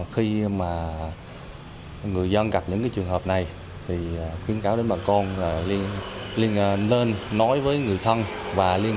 khi mà người dân gặp những trường hợp này thì khuyến cáo đến bà con là nên nói với người thân và liên